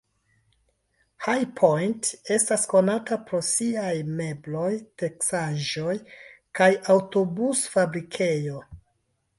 High Point estas konata pro siaj mebloj, teksaĵoj, kaj aŭtobus-fabrikejo.